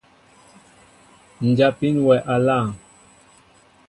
Njapin wɛ aláaŋ.